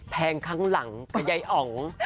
แทงข้างหลังกับยายอ๋อง